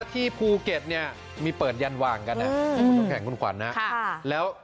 ที่ภูเก็ตเนี่ยมีเปิดยันว่างกันอ่ะอืมคุณขวัญน่ะค่ะแล้ว